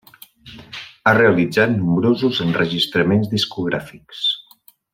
Ha realitzat nombrosos enregistraments discogràfics.